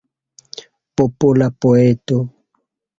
Popola poeto.